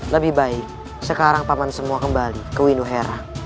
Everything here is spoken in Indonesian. lebih baik sekarang paman semua kembali ke winduhera